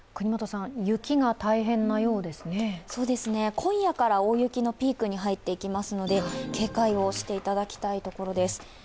今夜から大雪のピークに入っていきますので、警戒をしていただきたいところです。